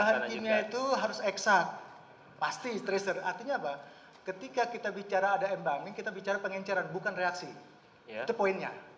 karena itu harus eksat pasti artinya apa ketika kita bicara ada embalming kita bicara pengencaraan bukan reaksi itu poinnya